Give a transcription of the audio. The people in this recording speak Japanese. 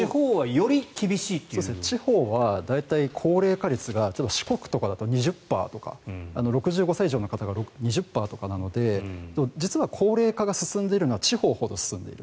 地方は大体、高齢化率が四国とかだと２０％とか６５歳以上の方２０％とかなので実は高齢化が進んでいるのは地方ほど進んでいる。